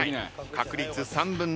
確率３分の１。